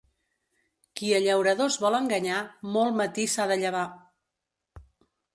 Qui a llauradors vol enganyar, molt matí s'ha de llevar.